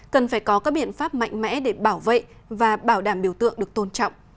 cần phải có các biện pháp mạnh mẽ để bảo vệ và bảo đảm biểu tượng được tôn trọng